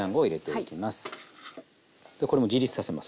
でこれも自立させます。